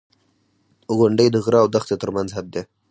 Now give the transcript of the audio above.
• غونډۍ د غره او دښتې ترمنځ حد دی.